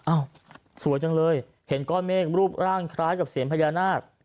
สวยจังเลยเห็นก้อนเมฆรูปร่างคล้ายกับเสียงพญานาค